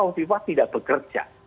hovifah tidak bekerja